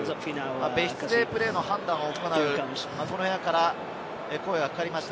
別室でプレーの判断を行う部屋から声がかかりました。